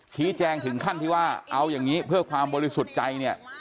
ชี้แจงถึงขั้นที่ว่าเอาอย่างนี้เพื่อความบริสุทธิ์ใจเนี่ย